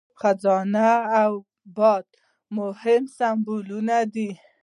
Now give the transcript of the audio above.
خزانه او باد مهم سمبولونه دي.